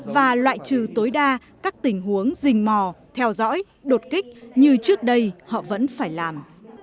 và loại trừ tối đa các tình huống rình mò theo dõi đột kích như trước đây họ vẫn phải làm